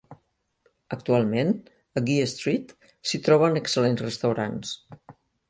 Actualment, a Gui Street s'hi troben excel·lents restaurants.